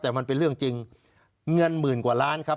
แต่มันเป็นเรื่องจริงเงินหมื่นกว่าล้านครับ